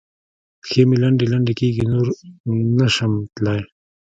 پښې مې لنډې لنډې کېږي؛ نور نه شم تلای.